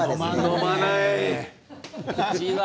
飲まない。